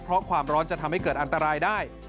เพราะความร้อนจะทำให้เกิดอันตรายได้